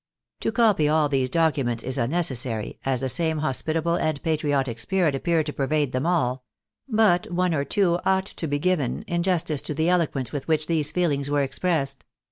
To copy all these documents is unnecessary, as the same hospitable and patriotic spirit appeared to pervade them all ; but one or two ought to be given, in justice to the eloquence with which these feelings were expressed.